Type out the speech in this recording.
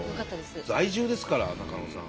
在住ですから中野さん。